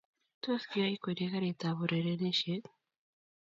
Tos, kigaikwerie karitab urerenishet?